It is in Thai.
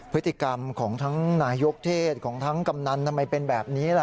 พฤติกรรมของทั้งนายกเทศของทั้งกำนันทำไมเป็นแบบนี้ล่ะ